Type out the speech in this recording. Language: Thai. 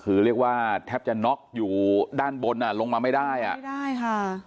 คือเรียกว่าแทบจะน็อกอยู่ด้านบนอ่ะลงมาไม่ได้อ่ะไม่ได้ค่ะ